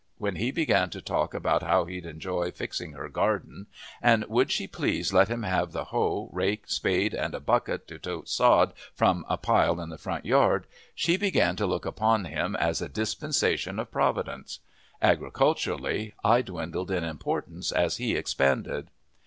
When he began to talk about how he'd enjoy fixing her garden, and would she please let him have the hoe, rake, spade, and a bucket to tote sod from a pile in the front yard, she began to look upon him as a Dispensation of Providence. Agriculturally, I dwindled in importance as he expanded.